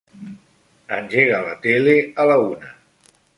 Engega la tele a la una.